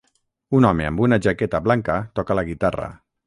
Un home amb una jaqueta blanca toca la guitarra.